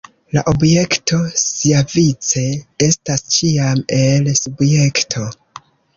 La objekto siavice estas ĉiam “el” subjekto.